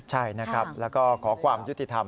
ใช่นะครับแล้วก็ขอความยุติธรรม